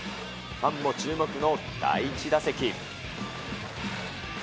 ファンも注目の第１打席。